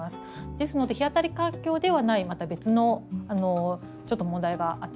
ですので日当たり環境ではないまた別のちょっと問題があったのかなっていう。